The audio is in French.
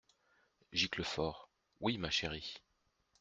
Giclefort. — Oui, ma chérie.